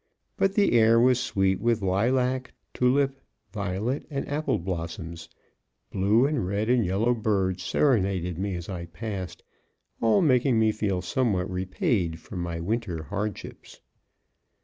But the air was sweet with lilac, tulip, violet and apple blossoms; blue and red and yellow birds serenaded me as I passed, all making me feel somewhat repaid for my winter hardships.